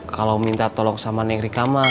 kalau minta tolong sama negeri kamar